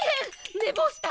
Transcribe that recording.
ねぼうした！